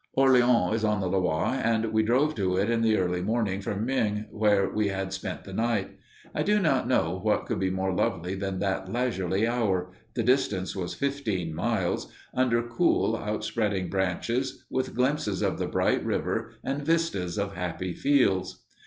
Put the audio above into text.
Orleans is on the Loire, and we drove to it in the early morning from Meung, where we had spent the night. I do not know what could be more lovely than that leisurely hour the distance was fifteen miles under cool, outspreading branches, with glimpses of the bright river and vistas of happy fields.